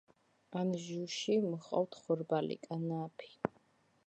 ანჟუში მოჰყავთ ხორბალი, კანაფი.